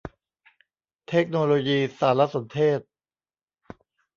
เทคโนโลยีสารสนเทศ